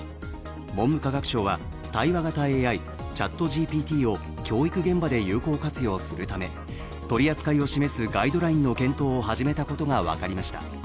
文部科学省は、対話型ＡＩＣｈａｔＧＰＴを教育現場で有効活用するため取り扱いを示すガイドラインの検討を始めたことが分かりました。